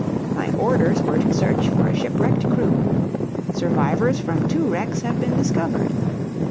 "My orders were to search for a shipwrecked crew. "Survivors from two wrecks have been discovered.